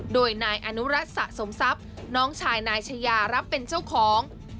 โดยนายอนุรัติสะสมทรัพย์น้องชายนายชายารับเป็นเจ้าของ